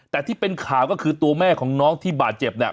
แต่ที่เป็นข่าวก็คือตัวแม่ของน้องที่บาดเจ็บเนี่ย